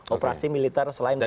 operasi militer selain perang